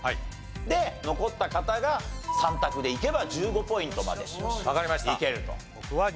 で残った方が３択でいけば１５ポイントまでいけると。